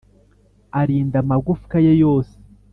Arinda amagufwa ye yose